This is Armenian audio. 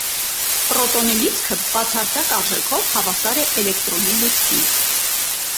Պրոտոնի լիցքը բացարձակ արժեքով հավասար է էլեկտրոնի լիցքին։